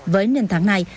với nền tảng này